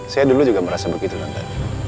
saya dulu juga merasa begitu lenta